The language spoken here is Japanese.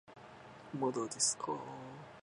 まだですかー